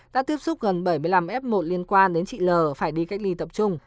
đã tiếp xúc gần bảy mươi năm f một liên quan đến chị l phải đi cách ly tập trung